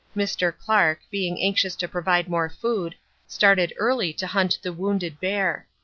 Mr. Clark, being anxious to provide more food, started early to hunt the wounded bear.